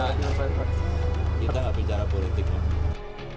kita tidak bicara politik pak